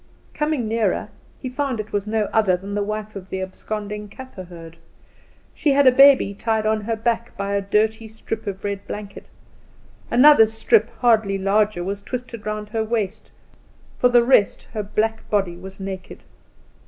Coming nearer, he found it was no other than the wife of the absconding Kaffer herd. She had a baby tied on her back by a dirty strip of red blanket; another strip hardly larger was twisted round her waist, for the rest her black body was naked.